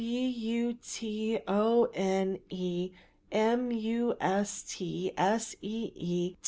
"b. u. t. o. n. e. m. u. s. t. s. e. e.